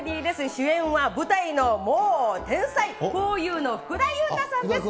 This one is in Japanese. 主演は舞台のもう天才、ふぉゆの福田悠太さんです。